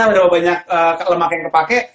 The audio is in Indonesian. berapa banyak lemak yang terpakai